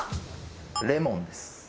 レモンです。